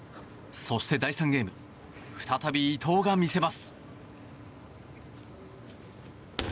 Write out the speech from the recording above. そして第３ゲーム再び伊藤が見せます。